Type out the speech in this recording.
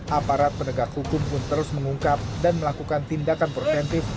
aparat penegak hukum pun terus mengungkap dan melakukan tindakan preventif